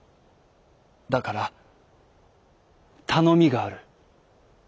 だからたのみがある。